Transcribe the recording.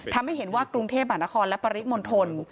ทำให้เห็นว่ากรุงเทพมหานครและปริมณฑล